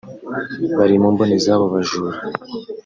bari mu mboni z’abo bajura